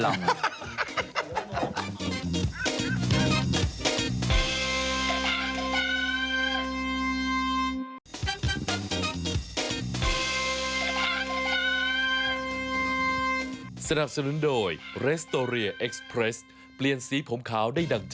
โอ้มะฮึ้มตะลำ